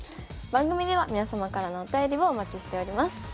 番組では皆様からのお便りをお待ちしております。